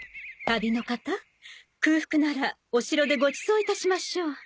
旅の方空腹ならお城でごちそういたしましょう。